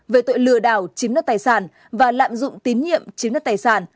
về tội lừa đảo chiếm đất tài sản và lạm dụng tín nhiệm chiếm đất tài sản